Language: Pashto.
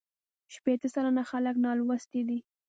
شپېته سلنه خلک لا نالوستي دي.